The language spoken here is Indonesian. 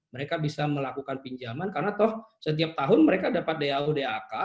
mereka bisa melakukan pinjaman karena toh setiap tahun mereka dapat dau dak